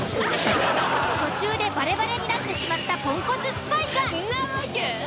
途中でバレバレになってしまったポンコツスパイが。